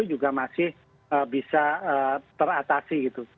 juga masih bisa teratasi gitu